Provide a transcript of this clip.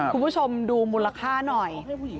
คุณผู้ชมดูมูลค่าหน่อย